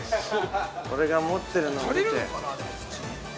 俺が持ってるのを見て。